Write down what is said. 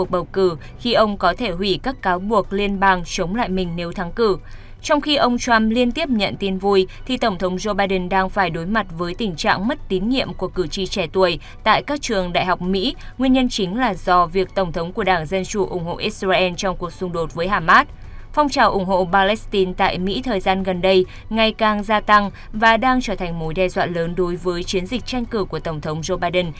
phong trào ủng hộ palestine tại mỹ thời gian gần đây ngày càng gia tăng và đang trở thành mối đe dọa lớn đối với chiến dịch tranh cử của tổng thống joe biden